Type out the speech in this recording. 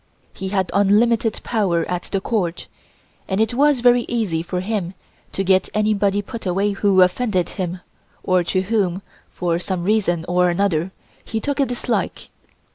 He had unlimited power at the Court, and it was very easy for him to get anybody put away who offended him or to whom, for some reason or another, he took a dislike.